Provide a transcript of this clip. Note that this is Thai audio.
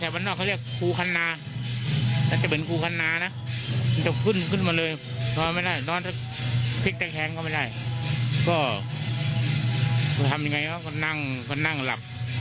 พลิขแตกแข็งก็ไม่ได้ก็ทำยังไงก็ถึงนั่งหลับ